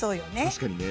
確かにね。